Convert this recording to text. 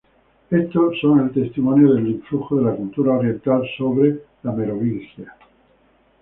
Estos son el testimonio del influjo de la cultura oriental sobre la Merovingia.